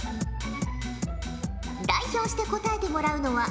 代表して答えてもらうのはゆうちゃみ。